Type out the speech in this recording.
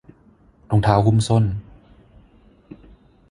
รองเท้าหุ้มส้น